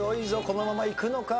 このままいくのか？